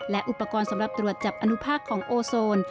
และอุปกรณ์สำหรับตรวจจับอนุภาคของโอโซน